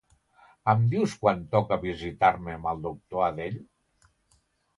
Em dius quan toca visitar-me amb el doctor Adell?